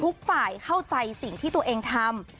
ทุกฝ่ายเข้าใจสิ่งที่ตัวเองทำ